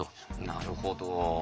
なるほど。